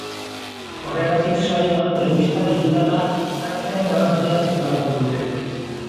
Horregatik, saioan, telebista digitala ezartzearen garrantzia azpimarratu dute.